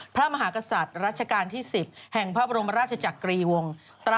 พระมหากษัตริย์รัชกาลที่๑๐แห่งพระบรมราชจักรีวงศ์